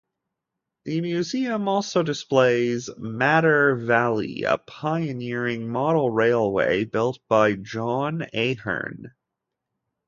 The museum also displays "Madder Valley", a pioneering model railway built by John Ahern.